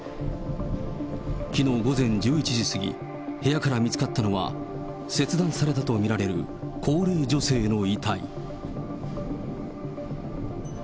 きのう午前１１時過ぎ、部屋から見つかったのは切断されたと見られる高齢女性の遺体。